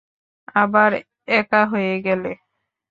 আবার একা হয়ে গেলে।